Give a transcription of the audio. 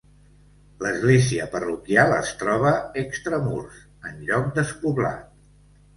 L'església parroquial es troba extramurs, en lloc despoblat.